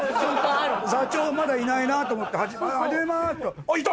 座長まだいないなと思って「始めまーす」あっいた！